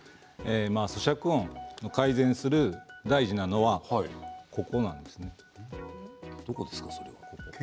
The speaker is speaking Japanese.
そしゃく音を改善する大事なのは、ここなんです。